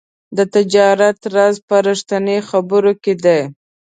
د تجارت راز په رښتیني خبرو کې دی.